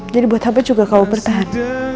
jadi buat apa juga kamu bertahan